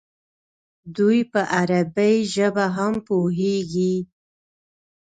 دوی په عربي ژبه هم پوهېږي.